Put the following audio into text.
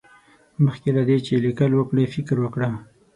مخکې له دې چې ليکل وکړې، فکر وکړه.